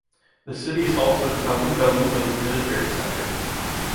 The city is also Taluk Aluva's administrative center.